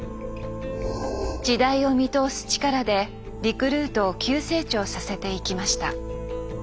時代を見通す力でリクルートを急成長させていきました。